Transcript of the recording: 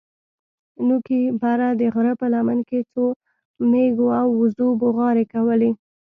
نوكي بره د غره په لمن کښې څو مېږو او وزو بوغارې کولې.